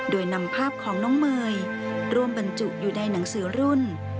โดยนำภาพของน้องเมย์ร่วมบรรจุอยู่ในหนังสือรุ่น